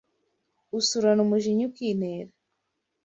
Usurana umujinya ukinera